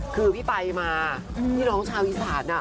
คือพี่ปัยมานี่น้องชาวอีสานน่ะ